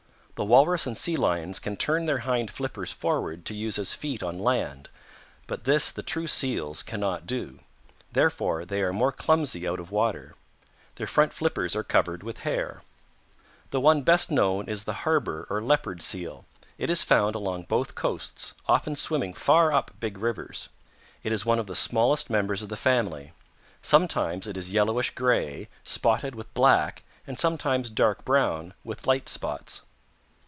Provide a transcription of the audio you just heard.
The Walrus and Sea Lions can turn their hind flippers forward to use as feet on land, but this the true Seals cannot do. Therefore they are more clumsy out of water. Their front flippers are covered with hair. "The one best known is the Harbor or Leopard Seal. It is found along both coasts, often swimming far up big rivers. It is one of the smallest members of the family. Sometimes it is yellowish gray spotted with black and sometimes dark brown with light spots.